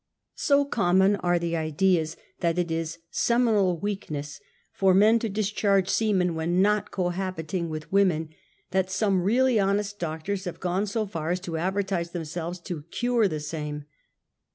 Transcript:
So common are the ideas that it is "seminal weak ness for men to discharge semen w^hen not cohabiting w^ith women/"' that some really honest doctors have gone so far as to advertise themselves to ''cnre" the same.